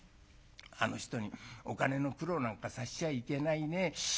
あの人にお金の苦労なんかさせちゃいけないね。